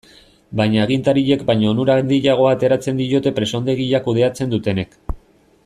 Baina agintariek baino onura handiagoa ateratzen diote presondegia kudeatzen dutenek.